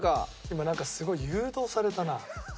今なんかすごい誘導されたな。